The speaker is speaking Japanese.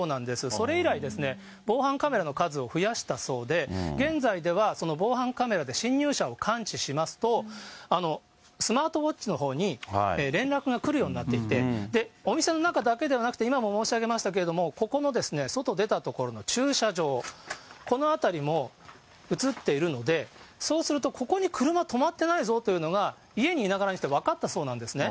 それ以来、防犯カメラの数を増やしたそうで、現在では、その防犯カメラで侵入者を感知しますと、スマートウォッチのほうに連絡が来るようになっていて、お店の中だけではなくて、今も申し上げましたけれども、ここの外出た所の駐車場、この辺りも写っているので、そうすると、ここに車止まってないぞというのが家にいながらにして分かったそうなんですね。